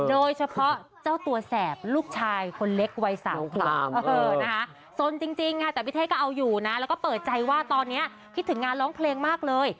แล้วก็เปิดใจว่าตอนนี้คิดถึงงานร้องเพลงมากเลย